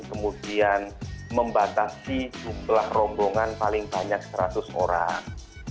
kemudian membatasi jumlah rombongan paling banyak seratus orang